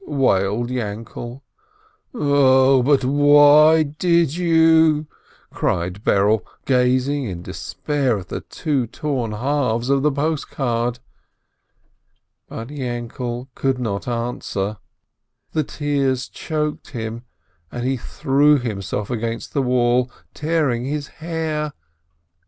wailed Yainkele. "Oh, but why did you?" cried Berele, gazing in despair at the two torn halves of the post card. But Yainkele could not answer. The tears choked him, and he threw himself against the wall, tearing his hair.